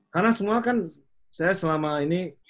karena semua kan saya selama ini